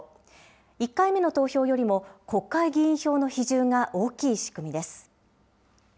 １回目の投票よりも国会議員票の比重が大きい仕組みです。